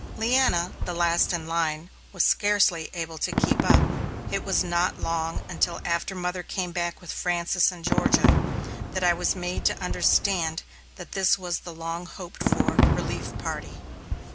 Leanna, the last in line, was scarcely able to keep up. It was not until after mother came back with Frances and Georgia that I was made to understand that this was the long hoped for relief party.